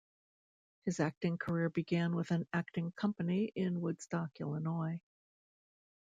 His acting career began with an acting company in Woodstock, Illinois.